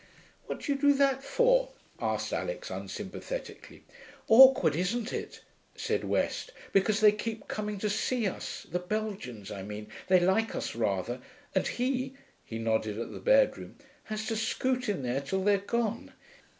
'What do you do that for?' asked Alix unsympathetically. 'Awkward, isn't it?' said West. 'Because they keep coming to see us the Belgians, I mean (they like us rather), and he' he nodded at the bedroom 'has to scoot in there till they're gone.